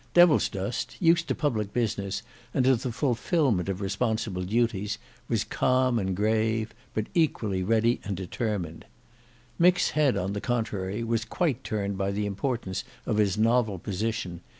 Devilsdust, used to public business and to the fulfilment of responsible duties, was calm and grave, but equally ready and determined. Mick's head on the contrary was quite turned by the importance of his novel position.